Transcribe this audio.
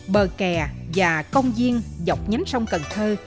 bờ kè và công viên dọc nhánh sông cần thơ